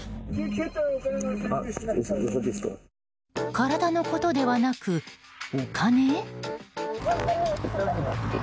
体のことではなく、お金？